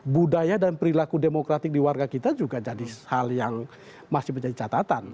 budaya dan perilaku demokratik di warga kita juga jadi hal yang masih menjadi catatan